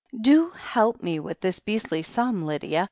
"Do help me with this beastly sum, Lydia.